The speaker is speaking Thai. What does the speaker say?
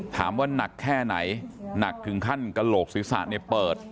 ถามว่านักแค่ไหนนักถึงขั้นกระโหลกศิกษาในเปิด